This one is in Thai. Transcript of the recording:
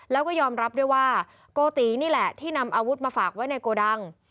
แล้วก็ยอมรับด้วยว่าโกตินี่แหละที่นำอาวุธมาฝากไว้ในโกดัง